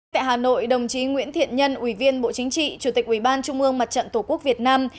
tại hà nội đồng chí nguyễn thiện nhân ủy viên bộ chính trị chủ tịch ủy ban trung ương mặt trận tổ quốc việt nam